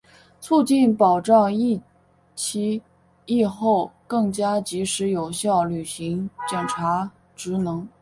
促进、保障疫期、疫后更加及时有效履行检察职能